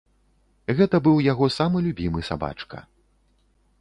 Гэта быў яго самы любімы сабачка.